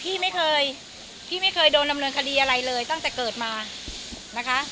พี่ไม่เคยพี่ไม่เคยโดนดำเนินคดีอะไรเลยตั้งแต่เกิดมานะคะ